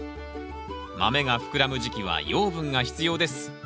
豆が膨らむ時期は養分が必要です。